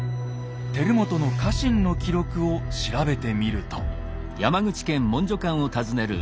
輝元の家臣の記録を調べてみると。